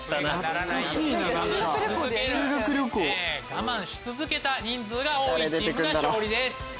我慢し続けた人数が多いチームが勝利です。